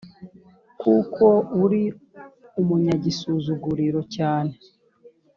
kuko uri umunyagisuzuguriro cyane